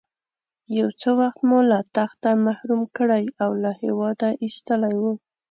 یو څه وخت مو له تخته محروم کړی او له هېواده ایستلی وو.